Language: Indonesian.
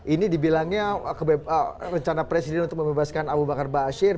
ini dibilangnya rencana presiden untuk membebaskan abu bakar bashir